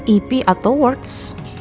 ipi atau words